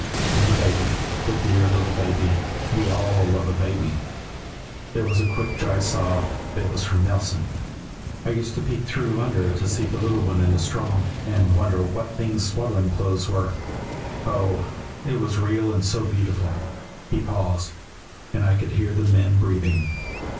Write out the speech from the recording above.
And the Baby, the dear little Baby we all love a baby." There was a quick, dry sob; it was from Nelson. "I used to peek through under to see the little one in the straw, and wonder what things swaddling clothes were. Oh, it was so real and so beautiful!" He paused, and I could hear the men breathing.